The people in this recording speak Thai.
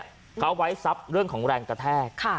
เขาไว้ซับเรื่องของแรงกระแทก